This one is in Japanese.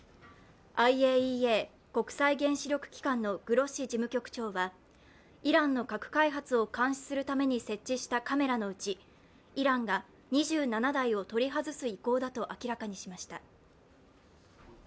ＩＡＥＡ＝国際原子力機関のグロッシ事務局長はイラクの核開発を監視するために設置したカメラのうち、イランが２７台を取り外す意向だと明らかにしました。